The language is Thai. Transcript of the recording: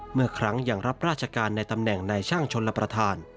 เมื่อครั้งยังรับราชการในตำแหน่งในช่างชนรับประทาน